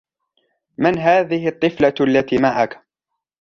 من هذه الطفلة التي معك؟